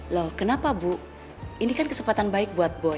loh kenapa bu ini kan kesempatan baik